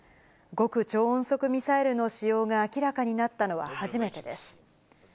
極超音速ミサイルの使用が明らかになったのは初めてです。